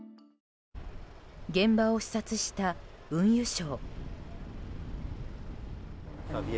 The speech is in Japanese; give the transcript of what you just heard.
現場を視察した運輸相。